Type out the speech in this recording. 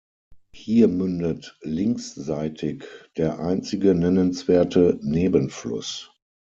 Hier mündet linksseitig der einzige nennenswerte Nebenfluss.